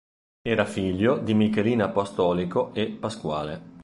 Era figlio di Michelina Apostolico e Pasquale.